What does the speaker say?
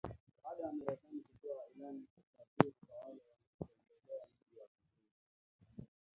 baada ya Marekani kutoa ilani ya kusafiri kwa wale wanaotembelea mji wa Kisumu